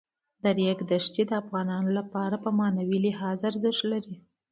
د ریګ دښتې د افغانانو لپاره په معنوي لحاظ ارزښت لري.